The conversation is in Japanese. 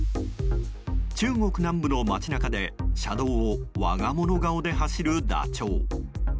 中国南部の街中で車道を我が物顔で走るダチョウ。